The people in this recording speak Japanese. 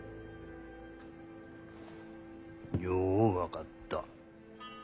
よう分かった。